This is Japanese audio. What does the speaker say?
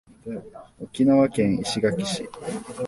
沖縄県石垣市